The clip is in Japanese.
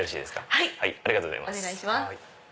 ありがとうございます。